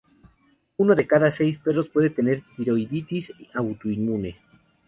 Uno de cada seis perros pueden tener tiroiditis autoinmune.